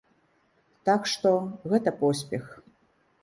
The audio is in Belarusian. Так што, гэта поспех.